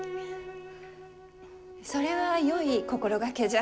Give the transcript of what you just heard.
それはよい心掛けじゃ。